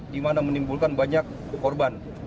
di mana menimbulkan banyak korban